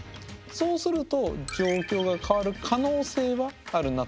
そうすると状況が変わる可能性はあるなと思います。